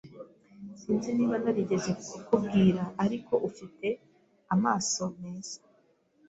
Sinzi niba narigeze kukubwira, ariko ufite amaso meza.